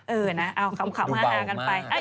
เออนะเอาข่าวมานานากันไป